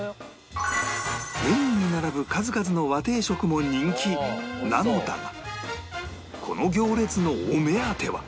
メニューに並ぶ数々の和定食も人気なのだがこの行列のお目当ては